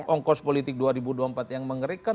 ongkos politik dua ribu dua puluh empat yang mengerikan